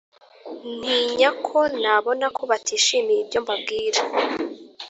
ntinya ko nabona ko batishimiye ibyo mbabwira